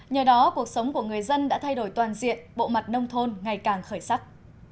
nhờ đó cuộc sống của người dân đã thay đổi toàn diện bộ mặt nông thôn ngày càng khởi sắc